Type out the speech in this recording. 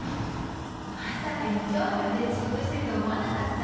まさか日曜日まで仕事してると思わなかった。